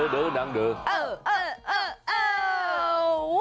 โอ้โหมีดันขึ้นดู